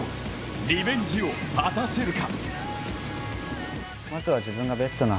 リベンジを果たせるか。